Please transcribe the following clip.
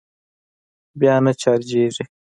بيا نه چارجېږي.